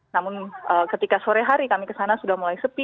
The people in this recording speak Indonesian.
namun ketika sore hari kami kesana sudah mulai sepi